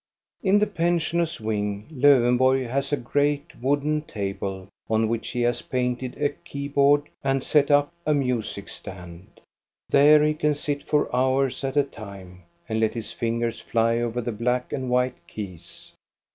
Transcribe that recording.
In the pensioners' wing Ldwenborg has a great wooden table, on which he has painted a keyboard ind set up a music stand. There he can sit for hours 312 THE STORY OF GOSTA BE RUNG at a time and let his fingers fly over the black and white keys.